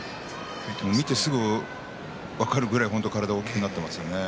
見てすぐ分かるぐらい体が大きくなっています。